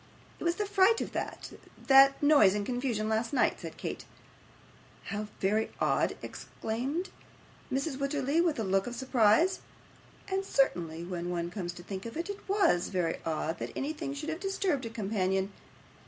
'It was the fright of that that noise and confusion last night,' said Kate. 'How very odd!' exclaimed Mrs. Wititterly, with a look of surprise. And certainly, when one comes to think of it, it WAS very odd that anything should have disturbed a companion.